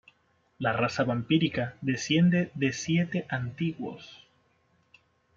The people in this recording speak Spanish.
La raza vampírica desciende de siete "Antiguos".